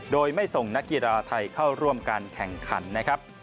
โดยไม่ส่งนักกีฬาไทยเข้าร่วมการแข่งขันนะครับ